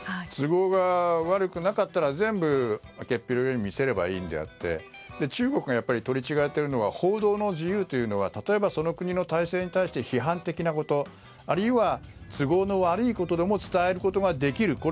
都合が悪くなかったら全部開けっぴろげに見せればいいのであって中国が取り違えているのは報道の自由というのは例えばその国の体制に対して批判的なこと、あるいは都合の悪いことでも伝えることができる。